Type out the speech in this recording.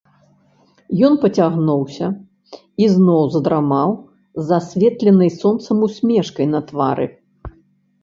Ён пацягнуўся і зноў задрамаў з асветленай сонцам усмешкай на твары.